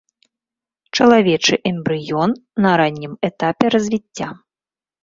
Чалавечы эмбрыён на раннім этапе развіцця.